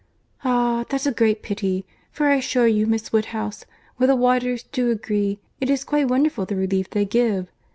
"Ah! that's a great pity; for I assure you, Miss Woodhouse, where the waters do agree, it is quite wonderful the relief they give.